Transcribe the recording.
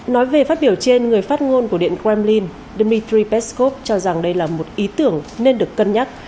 nói về phát biểu trên người phát ngôn của điện kremlin dmitry peskov cho rằng đây là một ý tưởng nên được cân nhắc